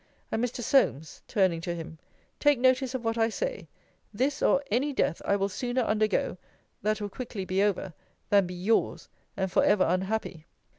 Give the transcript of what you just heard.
And, Mr. Solmes, turning to him, take notice of what I say: This or any death, I will sooner undergo [that will quickly be over] than be yours, and for ever unhappy!